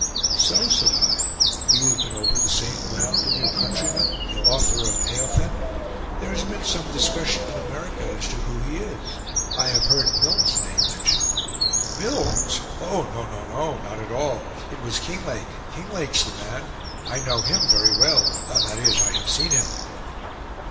"So," said I, "you have been over the same ground with your countryman, the author of 'Eothen'? There has been some discussion in America as to who he is. I have heard Milne's name mentioned." "Milne's? Oh, no, no, no; not at all. It was Kinglake; Kinglake's the man. I know him very well; that is, I have seen him."